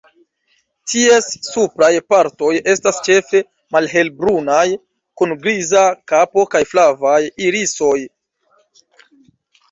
Ties supraj partoj estas ĉefe malhelbrunaj, kun griza kapo kaj flavaj irisoj.